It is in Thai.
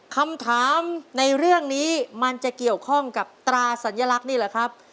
คำถามในเรื่องนี้มันจะเกี่ยวข้องกับตราสัญลักษณ์นี่แหละครับ